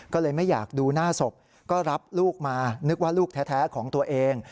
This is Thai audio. ก็เลยไม่อยากดูหน้าศพก็รับลูกมานึกว่าลูกแท้ของตัวเอง